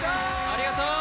ありがとう！